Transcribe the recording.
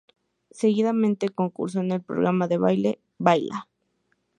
Seguidamente, concursó en el programa de baile "Baila!